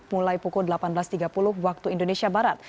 mulai pukul delapan belas tiga puluh waktu indonesia barat